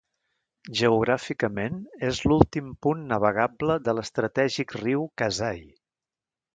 Geogràficament és l'últim punt navegable de l'estratègic riu Kasai.